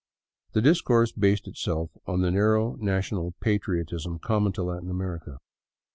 The discourse based itself on the narrow national patriotism common to Latin America.